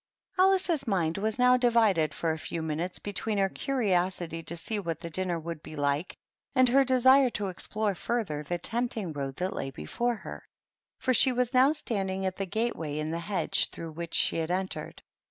Alice's mind was now divided for a few min utes between her curiosity to see what the dinner would be like and her desire to explore further the tempting road that lay before her; for she was now standing at the gate way in the hedge, through which she had entered.